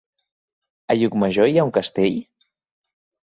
A Llucmajor hi ha un castell?